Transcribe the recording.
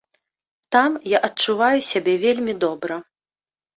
Там я адчуваю сябе вельмі добра.